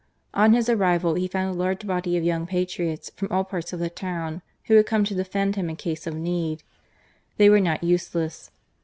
On his arrival he found a large body of young patriots from all parts of the town who had come to defend him in case of need. They were not useless.